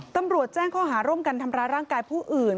ตำรวจแจ้งข้อหาร่วมกันทำร้ายร่างกายผู้อื่น